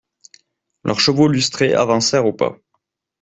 Leurs chevaux lustrés avancèrent au pas.